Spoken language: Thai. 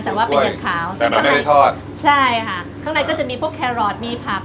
แต่ว่าเป็นยัดขาวแต่มันไม่ได้ทอดใช่ฮะข้างในก็จะมีพวกแครอทมีผัก